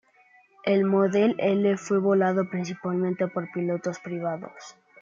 El "Model L" fue volado principalmente por pilotos privados.